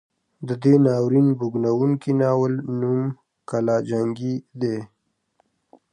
د دې ناورین بوږنوونکي ناول نوم کلا جنګي دی.